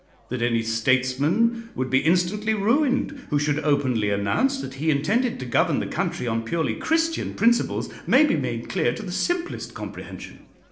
That any statesman would be instantly ruined who should openly announce that he intended to govern the country on purely Christian principles, may be made clear to the simplest comprehension.